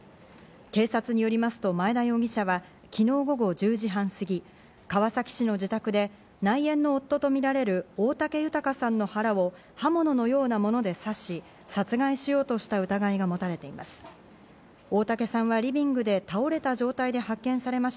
警察によりますと、前田容疑者は昨日午後１０時半過ぎ、川崎市の自宅で内縁の夫とみられる大竹隆さんの腹を刃物のようなもので刺し、殺害しようとした疑いがもたれています。